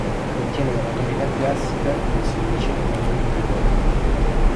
Ottiene la maturità classica presso il liceo Mameli di Roma.